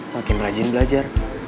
makin rajin belajar